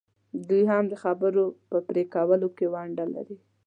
دوی هم د خوړو په پرې کولو کې ونډه لري.